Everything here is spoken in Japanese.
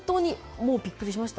もうびっくりしました。